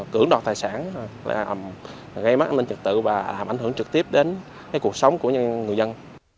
cưỡng đọt tài sản gây mất an ninh trực tự và làm ảnh hưởng trực tiếp đến cái cuộc sống của người dân